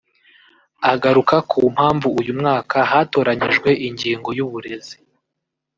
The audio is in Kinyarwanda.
Agaruka ku mpamvu uyu mwaka hatoranyijwe ingingo y’uburezi